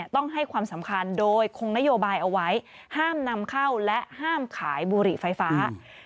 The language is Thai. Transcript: ต้องให้ความสำคัญโดยคงนโยบายเอาไว้ห้ามนำเข้าและห้ามขายบุหรี่ไฟฟ้า